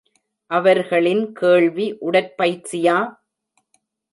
அவர்களின் கேள்வி உடற்பயிற்சியா?